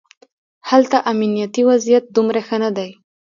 هلته امنیتي وضعیت دومره ښه نه دی.